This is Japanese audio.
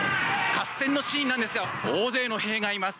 合戦のシーンなんですが大勢の兵がいます。